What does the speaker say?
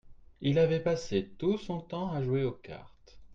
Il avait passé tout son temps à jouer aux cartes.